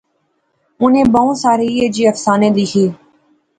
اُنی بہوں سارے ایہہ جئے افسانے لیخے